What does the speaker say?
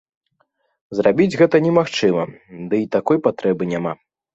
Зрабіць гэта немагчыма, дый такой патрэбы няма.